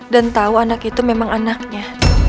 dan tau anak itu memang anaknya